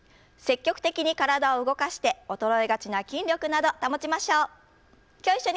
積極的に体を動かして衰えがちな筋力など保ちましょう。